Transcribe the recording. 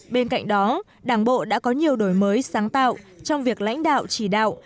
bên cạnh đó đảng bộ đã có nhiều đổi mới sáng tạo trong việc lãnh đạo chỉ đạo